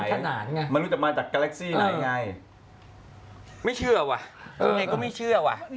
เขาก็เหมือนกับเราอ่ะโลกเขาเหมือนกับโลกเราไง